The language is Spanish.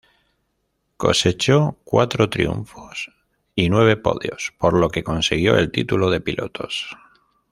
Cosechó cuatro triunfos y nueve podios, por lo que consiguió el título de pilotos.